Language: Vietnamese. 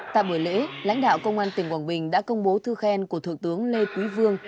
tại buổi lễ lãnh đạo công an tỉnh quảng bình đã công bố thư khen của thượng tướng lê quý vương